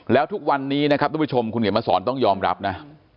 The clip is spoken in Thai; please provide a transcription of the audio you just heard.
แล้วทุกวันนี้นะครับทุกผู้ชมคุณเขียนมาสอนต้องยอมรับนะ